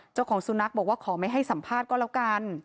เจ้าของสุนัขบอกว่าขอไม่ให้สัมภาษณ์ก็แล้วกัน